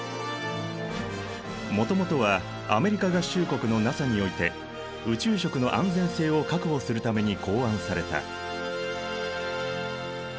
もともとはアメリカ合衆国のＮＡＳＡにおいて宇宙食の安全性を確保するために考案された。